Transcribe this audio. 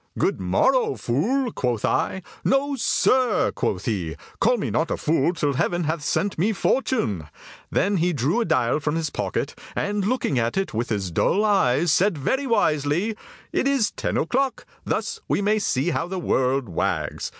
"'Good morrow, fool,' quoth I. 'No, sir,' quoth he, 'call me not fool till heaven hath sent me fortune.' Then he drew a dial from his pocket, and, looking at it with his dull eyes, said very wisely: 'It is ten o'clock. Thus we may see how the world wags.